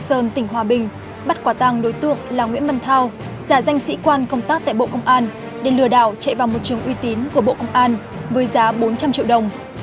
trường sơn tỉnh hòa bình bắt quả tăng đối tượng là nguyễn văn thao giả danh sĩ quan công tác tại bộ công an để lừa đảo chạy vào một trường uy tín của bộ công an với giá bốn trăm linh triệu đồng